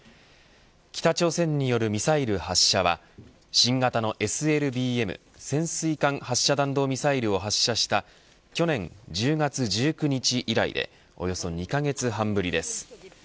北朝鮮によるミサイル発射は新型のＳＬＢＭ潜水艦発射弾道ミサイルを発射した去年１０月１９日以来でおよそ２カ月半ぶりです。